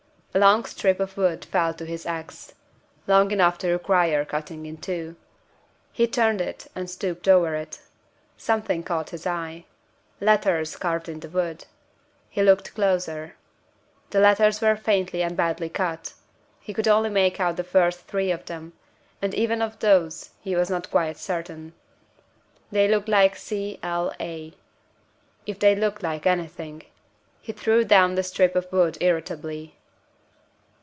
A long strip of wood fell to his ax long enough to require cutting in two. He turned it, and stooped over it. Something caught his eye letters carved in the wood. He looked closer. The letters were very faintly and badly cut. He could only make out the first three of them; and even of those he was not quite certain. They looked like C L A if they looked like anything. He threw down the strip of wood irritably.